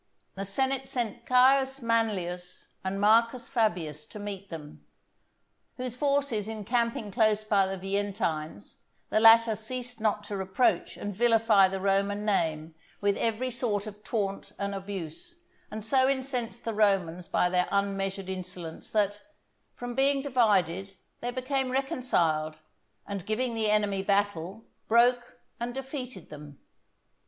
The senate sent Caius Manlius and Marcus Fabius to meet them, whose forces encamping close by the Veientines, the latter ceased not to reproach and vilify the Roman name with every sort of taunt and abuse, and so incensed the Romans by their unmeasured insolence that, from being divided they became reconciled, and giving the enemy battle, broke and defeated them.